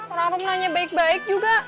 orang orang nanya baik baik juga